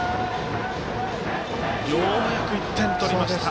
ようやく１点取りました。